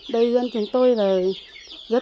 đây dân chúng tôi là